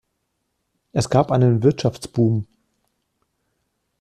Es gab einen Wirtschaftsboom.